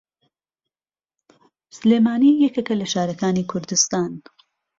سلێمانی یەکێکە لە شارەکانی کوردستان.